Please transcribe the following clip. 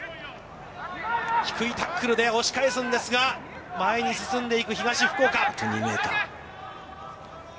低いタックルで押し返すんですが、前に進んでいく東福岡。